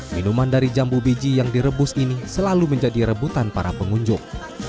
minuman dari jambu biji yang direbus ini selalu menjadi rebutan para pengunjung